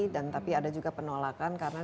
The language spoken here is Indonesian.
dan tapi ada juga penolakan karena